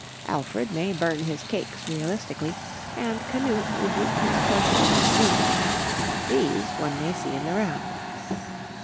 Alfred may burn his cakes realistically, and Canute rebuke his courtiers on the beach these one may see in the round.